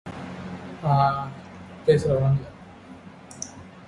The "A" has on occasion been painted green for Saint Patrick's Day.